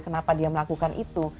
kenapa dia melakukan itu